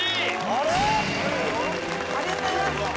ありがとうございます。